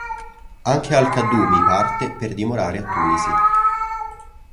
Anche al-Qaddūmī parte per dimorare a Tunisi.